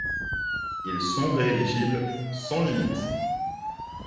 Ils sont rééligibles sans limite.